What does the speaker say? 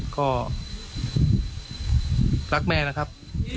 ก็รักแม่นะครับ